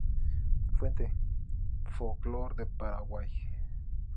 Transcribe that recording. Fuente: Folklore del Paraguay.